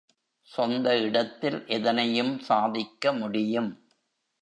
சொந்த இடத்தில் எதனையும் சாதிக்க முடியும்.